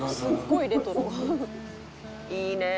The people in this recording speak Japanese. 「いいねえ」